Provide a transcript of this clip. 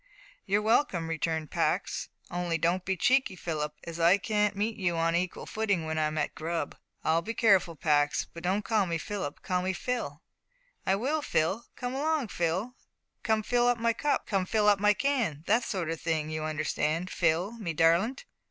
"You're welcome," returned Pax, "only don't be cheeky, Philip, as I can't meet you on an equal footing w'en I'm at grub." "I'll be careful, Pax; but don't call me Philip call me Phil." "I will, Phil; come along, Phil; `Come fill up my cup, come fill up my can' that sort o' thing you understand, Phil, me darlint?"